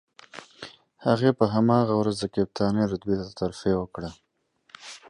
He was also promoted to captain the same day.